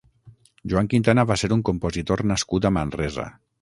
Joan Quintana va ser un compositor nascut a Manresa.